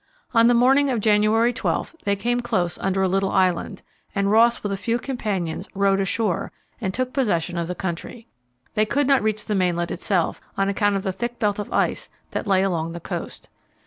On the morning of January 12 they came close under a little island, and Ross with a few companions rowed ashore and took possession of the country. They could not reach the mainland itself on account of the thick belt of ice that lay along the coast.